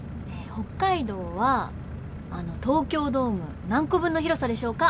北海道はあの東京ドーム何個分の広さでしょうか？